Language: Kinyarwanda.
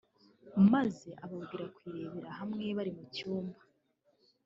maze ababwira kuyirebera hamwe bari mu cyumba